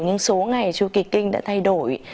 nhưng số ngày chu kỳ kinh đã thay đổi